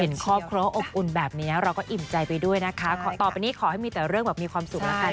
ครอบครัวอบอุ่นแบบนี้เราก็อิ่มใจไปด้วยนะคะต่อไปนี้ขอให้มีแต่เรื่องแบบมีความสุขแล้วกัน